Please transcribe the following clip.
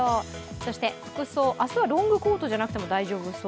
そして服装、明日はロングコートでなくても大丈夫そう？